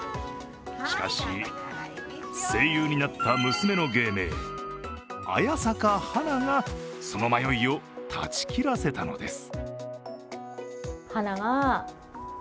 しかし、声優になった娘の芸名、綾坂晴名がその迷いを断ち切らせたのです。